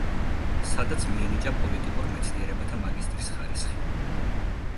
სადაც მიენიჭა პოლიტიკურ მეცნიერებათა მაგისტრის ხარისხი.